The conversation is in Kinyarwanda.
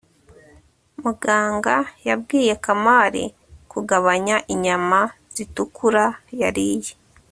muganga yabwiye kamali kugabanya inyama zitukura yariye